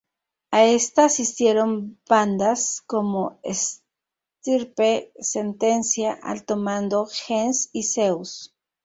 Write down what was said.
A esta asistieron bandas como Estirpe, Sentencia, Alto Mando, Gens y Zeus.